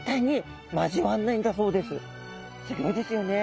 すギョいですよね。